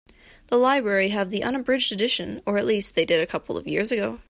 The library have the unabridged edition, or at least they did a couple of years ago.